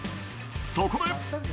そこで。